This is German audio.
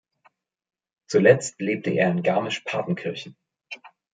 Zuletzt lebte er in Garmisch-Partenkirchen.